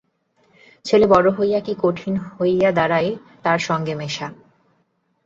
ছেলে বড় হইয়া কী কঠিন হইয়া দাড়ায় তার সঙ্গে মেশা।